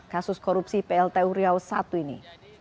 kasus korupsi plt huriaw satu ini